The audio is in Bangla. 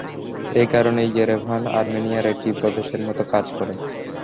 একারণে ইয়েরেভান আর্মেনিয়ার একটি প্রদেশের মত কাজ করে।